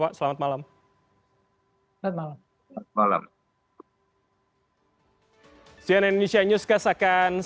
kemudian pak alvon stanudjaya pakar kamar jaya